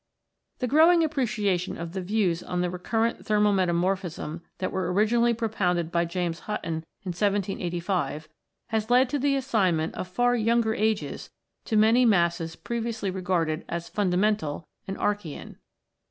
The growing appreciation of the views on re current thermal metamorphism that were originally propounded by James Hutton in 1785 has led to the assignment of far younger ages to many masses previously regarded as "fundamental" and Archaean.